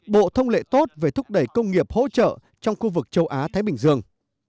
bộ thông lệ tốt về thúc đẩy công nghiệp hỗ trợ trong khu vực châu á thái bình dương